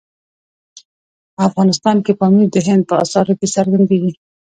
افغانستان کې پامیر د هنر په اثارو کې څرګندېږي.